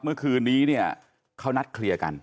เมื่อคืนนี้เนี่ยเขานัดเคลียร์กัน